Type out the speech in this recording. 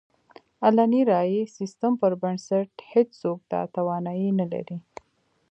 علني رایې سیستم پر بنسټ هېڅوک دا توانایي نه لري.